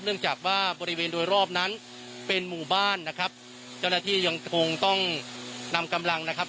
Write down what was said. เนื่องจากว่าบริเวณโดยรอบนั้นเป็นหมู่บ้านนะครับเจ้าหน้าที่ยังคงต้องนำกำลังนะครับ